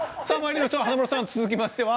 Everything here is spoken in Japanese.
華丸さん、続きましては？